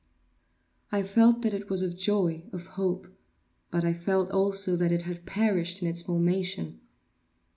I felt that it was of joy—of hope; but felt also that it had perished in its formation.